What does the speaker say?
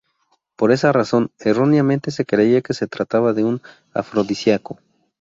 Por esa razón, erróneamente se creía que se trataba de un afrodisíaco.